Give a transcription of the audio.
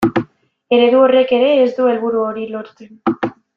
Eredu horrek ere ez du helburu hori lortzen.